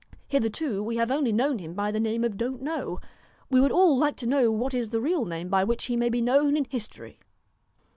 Hitherto we have only known him by the name of Don't know. We would all like to know what is the real name by which he may be known in history.'